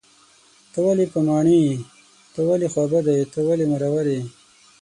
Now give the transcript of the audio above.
ته ولې پر ماڼي یې .ته ولې خوابدی یې .ته ولې مرور یې